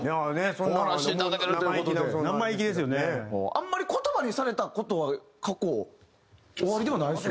あんまり言葉にされた事は過去おありではないですよね？